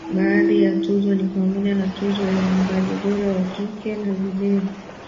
Baadhi ya tuzo ni pamoja na Tuzo ya Mwimbaji Bora wa Kike na Video